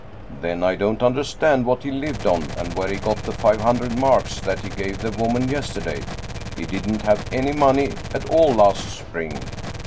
" Then I don't understand what he lived on and where he got the five hundred marks that he gave the woman yesterday. He didn't have any money at all last spring."